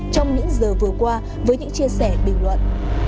trong những giờ vừa qua với những chia sẻ bình luận